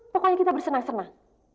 pokoknya kita bersenang senang